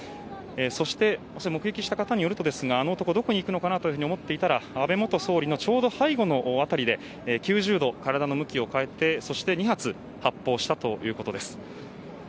そして、目撃した方によるとあの男どこに行くのかなと思っていたら安倍元総理のちょうど背後の辺りで９０度、体の向きを変えてそして２発発砲したということです。